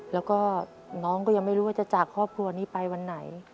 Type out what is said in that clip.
แล้วก็น้องก็ยังไม่รู้ว่าจะจากครอบครัวนี้ไปวันไหน